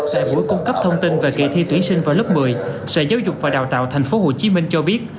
tại buổi cung cấp thông tin về kỳ thi tuyển sinh vào lớp một mươi sở giáo dục và đào tạo tp hcm cho biết